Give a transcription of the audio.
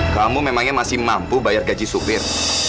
kamu memangnya masih mampu bayar gaji supir